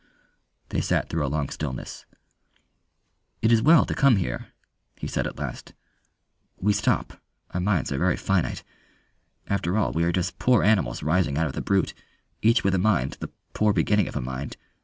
They sat through a long stillness. "It is well to come here," he said at last. "We stop our minds are very finite. After all we are just poor animals rising out of the brute, each with a mind, the poor beginning of a mind.